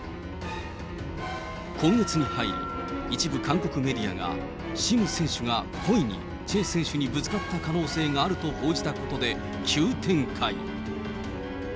今月に入り、一部韓国メディアが、シム選手が故意にチェ選手にぶつかった可能性があると報じたことで、急展開。